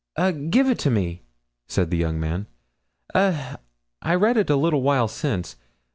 "Eh, give it to me!" said the young man. "Eh! I read it a little while since.